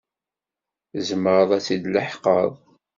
Tzemreḍ ad t-id-leḥqeḍ?